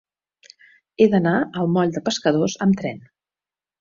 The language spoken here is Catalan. He d'anar al moll de Pescadors amb tren.